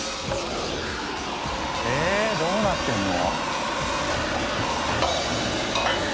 えーっどうなってんの？